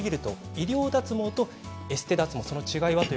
医療脱毛とエステ脱毛の違い